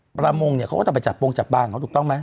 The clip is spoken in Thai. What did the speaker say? ประมงเนี่ยเขาก็ต้องไปจับโปรงจับบางเขาถูกต้องไหม